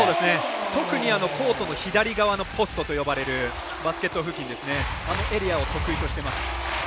特にコートの左側のポストといわれるバスケット付近のエリアを得意としています。